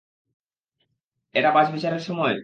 এটা বাছবিচারের সময়?